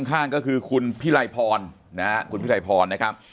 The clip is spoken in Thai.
ข้างก็คือคุณพิไลพรนะฮะคุณพิไลพรนะครับ